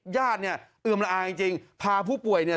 ญาติเนี่ยเอือมละอาจริงจริงพาผู้ป่วยเนี่ย